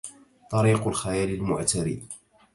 طرق الخيال المعتري